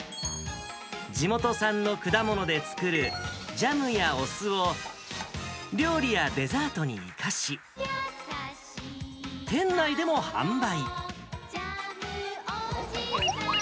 地元産の果物で作るジャムやお酢を、料理やデザートに生かし、店内でも販売。